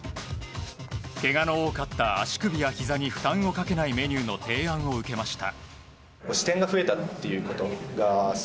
けがの多かった足首やひざに負担をかけないメニューの提案を受けました。